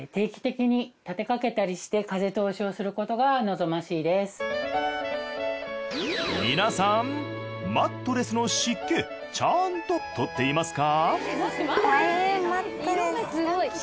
更に皆さんマットレスの湿気ちゃんと取っていますか？